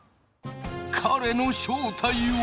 彼の正体は。